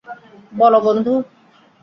বল, বন্ধু!